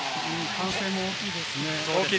歓声も大きいですね。